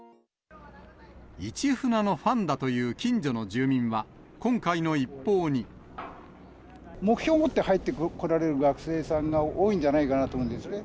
イチフナのファンだという近目標を持って入ってこられる学生さんが多いんじゃないかなと思うんですね。